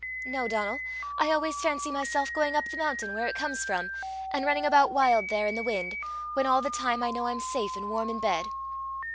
"No, Donal; I always fancy myself going up the mountain where it comes from, and running about wild there in the wind, when all the time I know I'm safe and warm in bed."